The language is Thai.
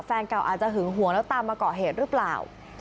แฟนเก่าอาจจะหึงห่วงแล้วตามมาเกาะเหตุหรือเปล่า